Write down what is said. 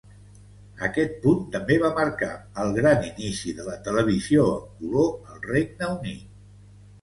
Aquest punt també va marcar el gran inici de la televisió en color al Regne Unit.